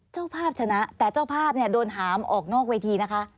เจ้าภาพชนะแต่เจ้าภาพเนี่ยโดนหามออกนอกเวทีนะคะ